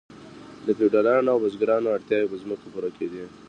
د فیوډالانو او بزګرانو اړتیاوې په ځمکو پوره کیدې.